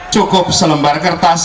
cukup selembar kertas